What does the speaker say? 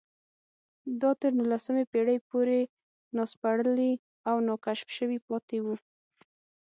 دا تر نولسمې پېړۍ پورې ناسپړلي او ناکشف شوي پاتې وو